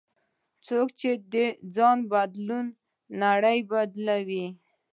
څوک چې ځان بدلوي، نړۍ بدلوي.